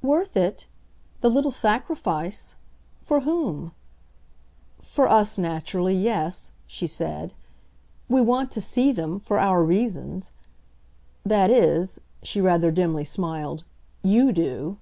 "Worth it, the little sacrifice, for whom? For us, naturally yes," she said. "We want to see them for our reasons. That is," she rather dimly smiled, "YOU do."